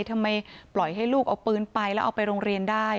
ทำไมปล่อยให้ลูกเอาปืนไปแล้วเอาไปโรงเรียนได้